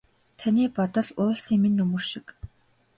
Таны бодол уулсын минь нөмөр шиг.